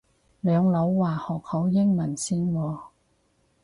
兩老話學好英文先喎